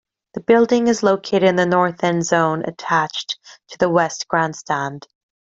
The building is located in the north end zone, attached to the west grandstand.